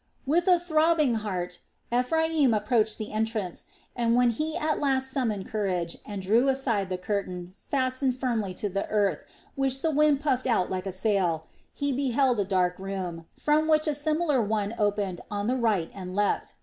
With a throbbing heart Ephraim approached the entrance, and when he at last summoned courage and drew aside the curtain fastened firmly to the earth, which the wind puffed out like a sail, he beheld a dark room, from which a similar one opened on the right and left.